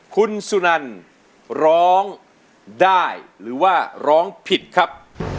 คุณสุนันร้องได้หรือว่าร้องผิดครับ